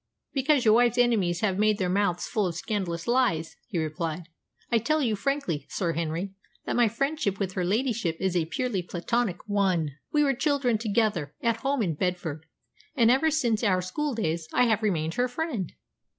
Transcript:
"Because your wife's enemies have their mouths full of scandalous lies," he replied. "I tell you frankly, Sir Henry, that my friendship with her ladyship is a purely platonic one. We were children together, at home in Bedford, and ever since our schooldays I have remained her friend."